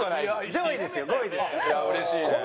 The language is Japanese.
上位ですよ５位ですから。